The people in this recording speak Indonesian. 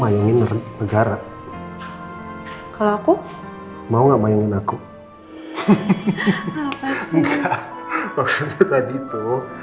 ministri megara kalau aku mau nggak mainin aku